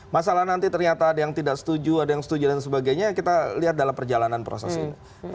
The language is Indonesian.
masalah nanti ternyata ada yang tidak setuju ada yang setuju dan sebagainya kita lihat dalam perjalanan proses ini